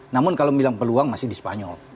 namun kalau bilang peluang masih di spanyol